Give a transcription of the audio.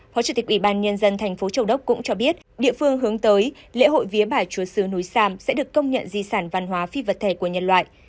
phó chủ tịch ủy ban nhân dân thành phố châu đốc cũng cho biết địa phương hướng tới lễ hội vía bà chúa sứ núi sam sẽ được công nhận di sản văn hóa phi vật thể của nhân loại